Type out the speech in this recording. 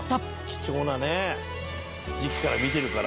貴重なね時期から見てるから。